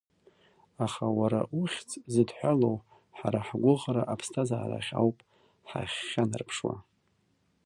Аха уара ухьӡ зыдҳәалоу ҳара ҳгәыӷра аԥсҭазаарахь ауп ҳахьхьанарԥшуа.